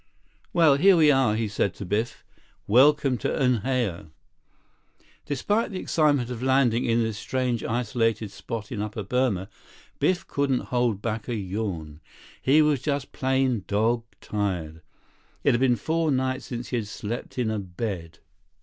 "Well, here we are," he said to Biff. "Welcome to Unhao." Despite the excitement of landing in this strange isolated spot in Upper Burma, Biff couldn't hold back a yawn. He was just plain, dog tired. It had been four nights since he had slept in a bed.